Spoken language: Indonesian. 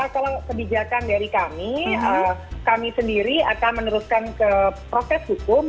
kalau kebijakan dari kami kami sendiri akan meneruskan ke proses hukum